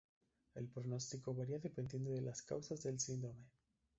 El pronóstico varía dependiendo de la causa del síndrome.